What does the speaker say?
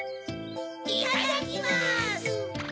いただきます！